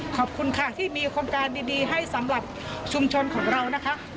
ขอบคุณค่ะที่มีโครงการดีให้สำหรับชุมชนของเรานะคะ